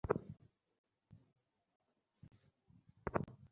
কাতার ওপেনে মোল্লা সাবিরা সুলতানা আপা আটজনের সঙ্গে প্রতিদ্বন্দ্বিতা করে দ্বিতীয় হয়েছেন।